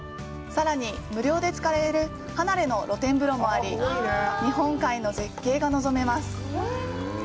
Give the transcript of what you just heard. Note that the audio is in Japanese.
さらに、無料で使える離れの露天風呂もあり、日本海の絶景が望めます。